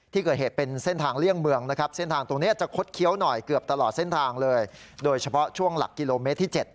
ต่อเส้นทางเลยโดยเฉพาะช่วงหลักกิโลเมตรที่๗